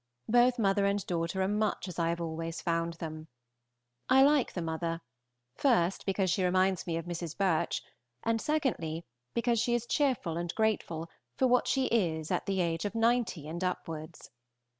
Both mother and daughter are much as I have always found them. I like the mother first, because she reminds me of Mrs. Birch; and, secondly, because she is cheerful and grateful for what she is at the age of ninety and upwards.